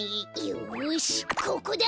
よしここだ！